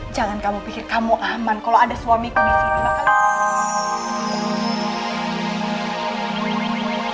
jangan kamu pikir kamu aman kalau ada suamiku di sini